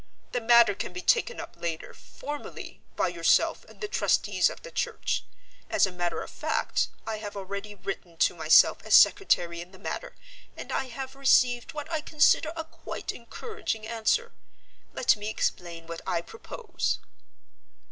The matter can be taken up later, formally, by yourself and the trustees of the church. As a matter of fact, I have already written to myself as secretary in the matter, and I have received what I consider a quite encouraging answer. Let me explain what I propose."